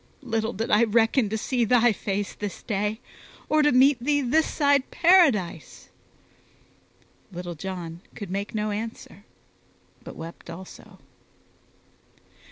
Little did I reckon to see thy face this day, or to meet thee this side Paradise." Little John could make no answer, but wept also.